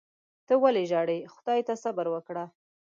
ته ولي ژاړې . خدای ته صبر وکړه